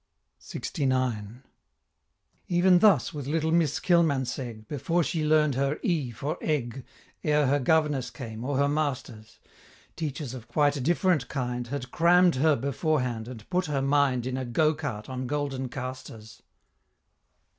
LXIX. Even thus with little Miss Kilmansegg, Before she learnt her E for egg, Ere her Governess came, or her Masters Teachers of quite a different kind Had "cramm'd" her beforehand, and put her mind In a go cart on golden casters.